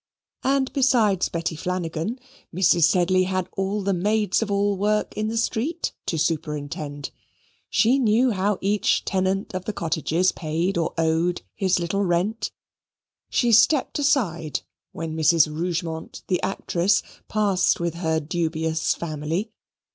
And besides Betty Flanagan, Mrs. Sedley had all the maids of all work in the street to superintend. She knew how each tenant of the cottages paid or owed his little rent. She stepped aside when Mrs. Rougemont the actress passed with her dubious family.